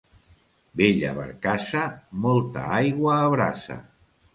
Vella barcassa, molta aigua abraça.